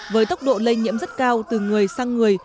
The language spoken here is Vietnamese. với tốc độ lây nhiễm rất cao từ người sang người